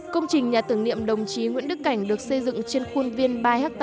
công trình nhà tưởng niệm đồng chí nguyễn đức cảnh